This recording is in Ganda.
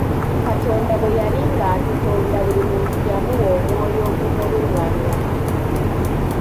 Katonda bwe yali nga atutonda buli muntu yamuwa omwoyo ogumulungamya.